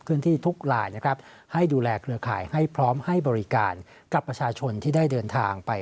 ที่ทุกลายนะครับให้ดูแลเครือข่ายให้พร้อมให้บริการกับประชาชนที่ได้เดินทางไป